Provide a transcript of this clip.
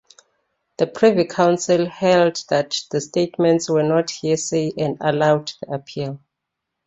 The Privy Council held that the statements were not hearsay and allowed the appeal.